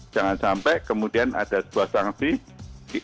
jangan sampai kemudian ada sebuah sanksi